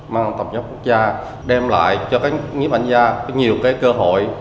mang tập nhấp quốc gia đem lại cho các nhóm ảnh gia nhiều cái cơ hội